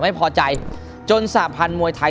ไม่พอใจจนสหพันธ์มวยไทย